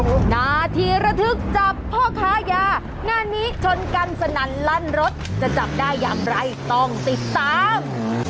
นาทีระทึกจับพ่อค้ายางานนี้ชนกันสนั่นลั่นรถจะจับได้อย่างไรต้องติดตาม